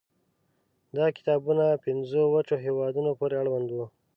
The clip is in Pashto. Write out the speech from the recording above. دا کتابونه پنځو وچه هېوادونو پورې اړوند وو.